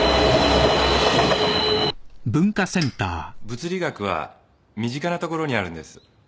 物理学は身近なところにあるんです。